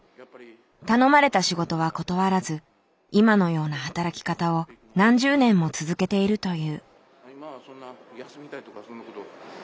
頼まれた仕事は断らず今のような働き方を何十年も続けているという。